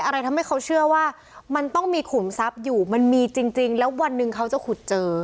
อะไรทำให้เขาเชื่อว่ามันต้องมีขุมทรัพย์อยู่มันมีจริงแล้ววันหนึ่งเขาจะขุดเจอ